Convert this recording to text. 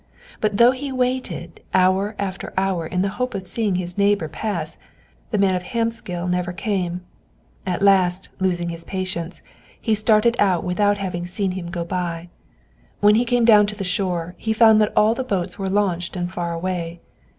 But though he waited hour after hour in the hope of seeing his neighbor pass, the man of Hvammsgil never came. At last, losing his patience, he started out without having seen him go by. When he came down to the shore, he found that all the boats were launched and far away.